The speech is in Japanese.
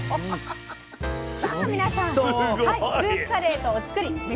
さあ皆さんスープカレーとお造り召し上がれ。